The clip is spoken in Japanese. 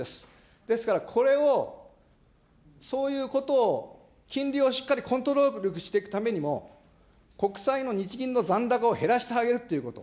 ですからこれを、そういうことを、金利をしっかりコントロールしていくためにも、国債の日銀の残高を減らしてあげるということ。